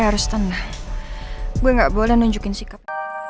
harus tenang gue gak boleh nunjukin sikap